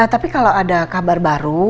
tapi kalau ada kabar baru